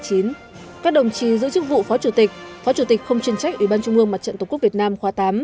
các đồng chí giữ chức vụ phó chủ tịch phó chủ tịch không chuyên trách ủy ban trung ương mặt trận tổ quốc việt nam khóa tám